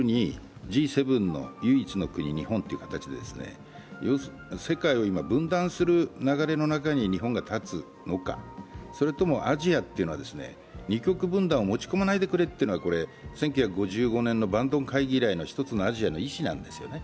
Ｇ７の唯一の国・日本という形で世界を今、分断する流れの中に日本が立つのか、それともアジアというのは二極分弾を持ち込まないでくれというのが１９５５年のバンドン会議以来の一つのアジアの意思なんですよね。